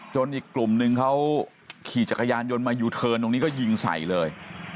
อีกกลุ่มนึงเขาขี่จักรยานยนต์มายูเทิร์นตรงนี้ก็ยิงใส่เลย